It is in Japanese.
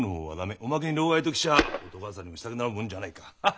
おまけに労咳ときちゃ男あさりもしたくなるもんじゃないか。